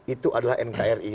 itu adalah nkri